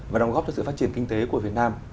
và đóng góp cho sự phát triển kinh tế của việt nam